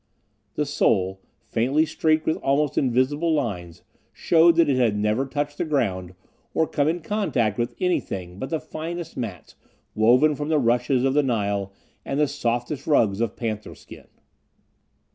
The sole, faintly streaked with almost invisible lines, showed that it had never touched the ground, or come in contact with anything but the finest mats woven from the rushes of the Nile, and the softest rugs of panther skin.